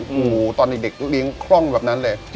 โอ้โหตอนเด็กเลี้ยงคล่องแบบนั้นเลย